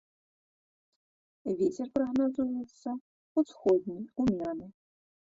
Вецер прагназуецца ўсходні ўмераны.